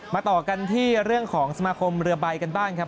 ต่อกันที่เรื่องของสมาคมเรือใบกันบ้างครับ